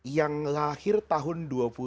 yang lahir tahun dua ribu